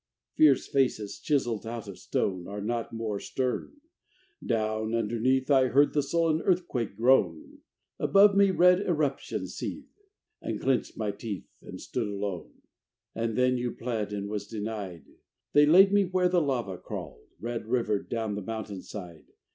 Fierce faces chiseled out of stone Are not more stern. Down, underneath, I heard the sullen earthquake groan; Above me, red eruptions seeth. And clenched my teeth and stood alone. And then you pled and was denied. They laid me where the lava crawled, Red rivered, down the mountain side.